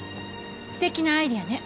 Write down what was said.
すてきなアイデアね。